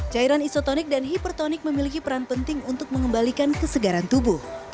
cairan isotonik dan hipertonik memiliki peran penting untuk mengembalikan kesegaran tubuh